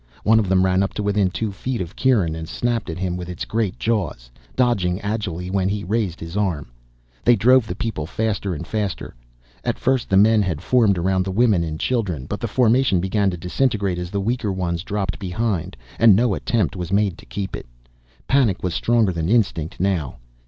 One of them ran up to within two feet of Kieran and snapped at him with its great jaws, dodging agilely when he raised his arm. They drove the people, faster and faster. At first the men had formed around the women and children. But the formation began to disintegrate as the weaker ones dropped behind, and no attempt was made to keep it. Panic was stronger than instinct now.